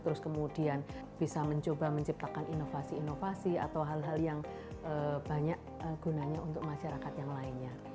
terus kemudian bisa mencoba menciptakan inovasi inovasi atau hal hal yang banyak gunanya untuk masyarakat yang lainnya